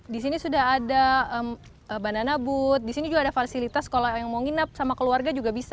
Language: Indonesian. di sini sudah ada bandana but di sini juga ada fasilitas kalau yang mau nginap sama keluarga juga bisa